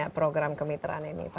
program kemitraan ini